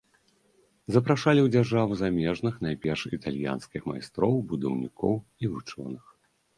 Запрашалі ў дзяржаву замежных, найперш італьянскіх майстроў, будаўнікоў і вучоных.